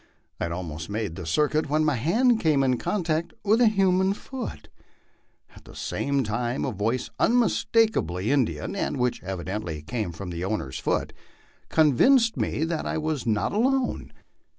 I had almost made the circuit when my hand came in con tact with a human foot; at the same time a voice unmistakably Indian, and which evidently came from the owner of the foot, convinced me that I was not alone.